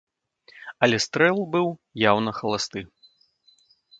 Але стрэл быў яўна халасты.